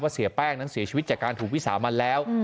เสียแป้งนั้นเสียชีวิตจากการถูกวิสามันแล้ว